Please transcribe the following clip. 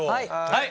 はい！